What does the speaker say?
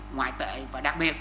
ngoại tệ và đặc biệt